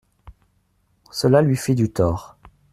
Cela lui fit du tort.